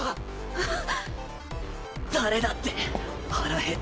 ⁉あっ。